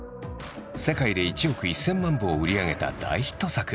世界で１億１，０００万部を売り上げた大ヒット作。